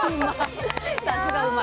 さすがうまい。